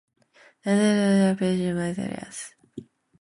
Isocyanates are very reactive materials.